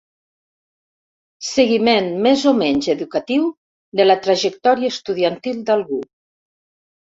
Seguiment més o menys educatiu de la trajectòria estudiantil d'algú.